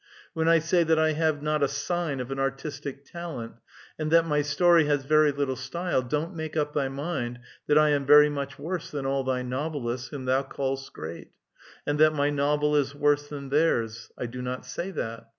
When I say that I have not a sign of an artistic talent, and that my story has very little style, don't make up thy mind that 1 am very much worse than all thy novelists, whom thou callest great, and that my novel is worse than theirs. 1 do not say that.